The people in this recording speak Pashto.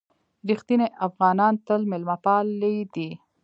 رښتیني افغانان تل مېلمه پالي دي.